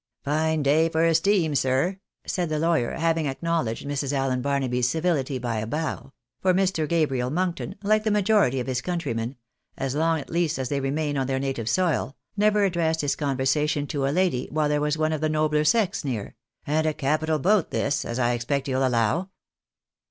" Fine day for a steam, sir," said the lawyer, having ac knowledged Mrs. Allen Barnaby's civility by a bow ; for Mr. Gabriel Monkton, like the majority of his countrymen (as long at least as they remain on their native soil), never addressed his con versation to a lady while there was one of the nobler sex near, " and a capital boat this, as I expect you'll allow."